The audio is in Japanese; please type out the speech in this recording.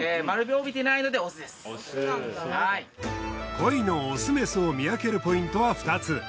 コイのオスメスを見分けるポイントは２つ。